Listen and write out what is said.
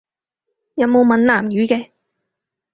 有冇閩南語嘅？